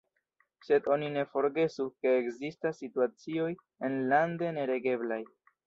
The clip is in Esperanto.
Sed oni ne forgesu, ke ekzistas situacioj enlande neregeblaj.